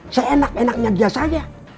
seenak enaknya dia saya